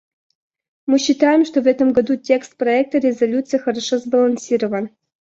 Мы считаем, что в этом году текст проекта резолюции хорошо сбалансирован.